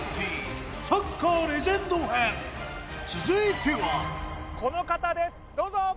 続いてはこの方ですどうぞ！